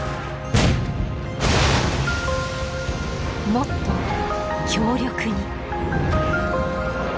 もっと強力に。